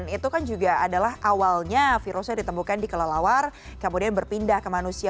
itu kan juga adalah awalnya virusnya ditemukan di kelelawar kemudian berpindah ke manusia